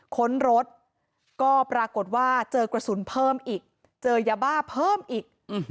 ค้นรถก็ปรากฏว่าเจอกระสุนเพิ่มอีกเจอยาบ้าเพิ่มอีก